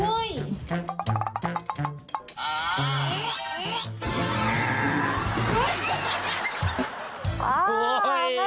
เอ้ยเอ๊ะิ๊จังต้องกินได้นะเว้ย